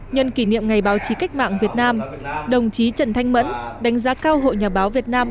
nhân kỷ niệm ngày báo chí cách mạng việt nam đồng chí trần thanh mẫn đánh giá cao hội nhà báo việt nam